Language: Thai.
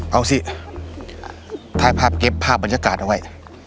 เอาสิถ่ายภาพเก็บภาพบรรยากาศเอาไว้